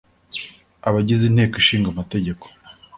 abagize inteko ishinga amategeko